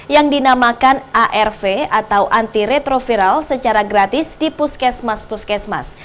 yang dinamakan arv atau anti retroviral secara gratis di puskesmas puskesmas